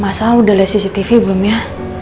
masa udah liat cctv belum ya